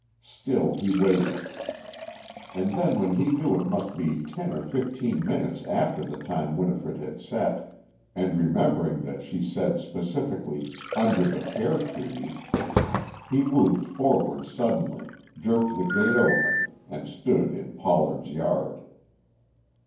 Still he waited. And then when he knew it must be ten or fifteen minutes after the time Winifred had set, and remembering that she said specifically "under the pear trees," he moved forward suddenly, jerked the gate open and stood in Pollard's yard.